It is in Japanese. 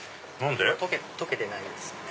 溶けてないですよね。